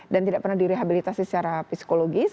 dan tidak pernah direhabilitasi secara psikologis